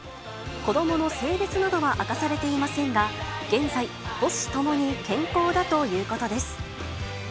子どもの性別などは明かされていませんが、現在、母子ともに健康だということです。